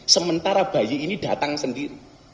sementara bayi ini datang sendiri